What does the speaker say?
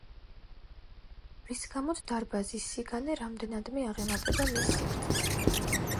რის გამოც დარბაზის სიგანე რამდენადმე აღემატება მის სიგრძეს.